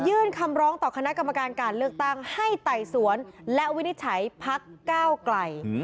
คำร้องต่อคณะกรรมการการเลือกตั้งให้ไต่สวนและวินิจฉัยพักก้าวไกล